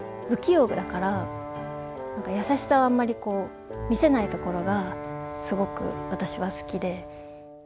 不器用だから優しさはあんまり見せないところがすごく私は好きで。